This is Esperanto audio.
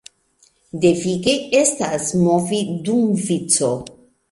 Devige estas movi dum vico.